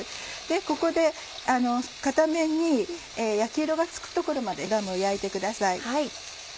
ここで片面に焼き色がつくところまでラムを焼いてください。